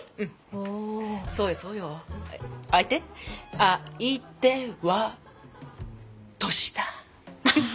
あいては年下。